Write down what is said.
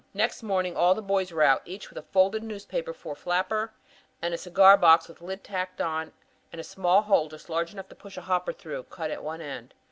Next morning all the boys were out, each with a folded newspaper for flapper and a cigar box with lid tacked on and a small hole just large enough to push a hopper through cut in one end.